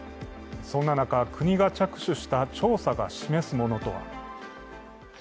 そんな中、国が着手した調査が示すものとは。